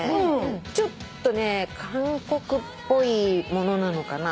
ちょっとね韓国っぽいものなのかな。